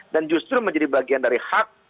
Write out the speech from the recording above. dan justru menjadi bagian dari hak